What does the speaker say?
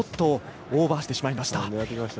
オーバーしてしまいました。